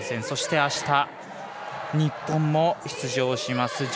そしてあした、日本も出場します